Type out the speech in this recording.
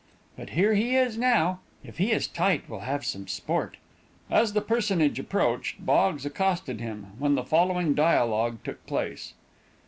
But here he is, now; if he is tight we'll have some sport." As the personage approached, Boggs accosted him, when the following dialogue took place.